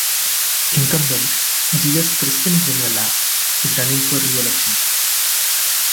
Incumbent Jesus Crispin Remulla is running for reelection.